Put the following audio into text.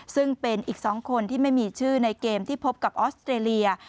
ซึ่งเป็นอีก๒คนที่ไม่มีชื่อในเกมที่พบกับออสเตรเลีย